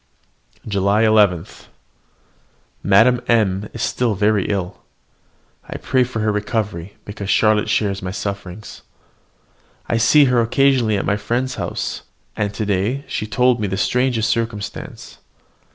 JULY 11. Madame M is very ill. I pray for her recovery, because Charlotte shares my sufferings. I see her occasionally at my friend's house, and to day she has told me the strangest circumstance.